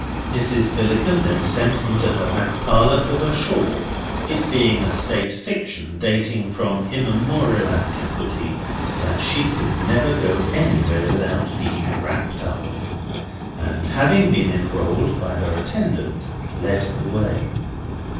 Mrs. Billickin then sent into her back parlour for her shawl (it being a state fiction, dating from immemorial antiquity, that she could never go anywhere without being wrapped up), and having been enrolled by her attendant, led the way.